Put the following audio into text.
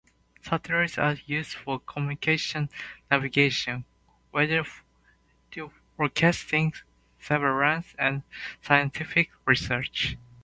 Satellites are used for communication, navigation, weather forecasting, surveillance, and scientific research.